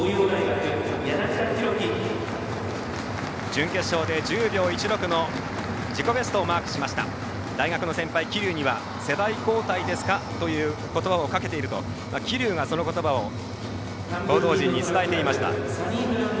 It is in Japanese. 準決勝で１０秒１６の自己ベストをマークしました大学の先輩、桐生には世代交代ですか？ということばをかけていると桐生がそのことばを報道陣に伝えていました。